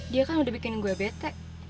dia kan udah bikin gue betek